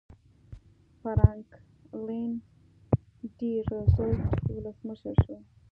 فرانکلن ډي روزولټ ولسمشر شو.